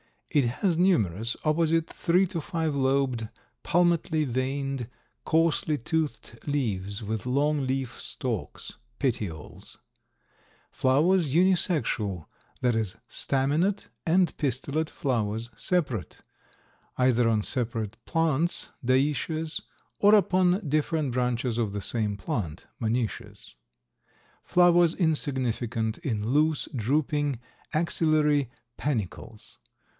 It has numerous opposite three to five lobed, palmately veined, coarsely toothed leaves with long leaf stalks (petioles). Flowers unisexual, that is staminate and pistillate flowers separate, either on separate plants (dioecious) or upon different branches of the same plant (monoecious). Flowers insignificant in loose, drooping axillary panicles.